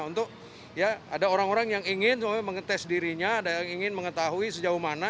untuk ya ada orang orang yang ingin mengetes dirinya ada yang ingin mengetahui sejauh mana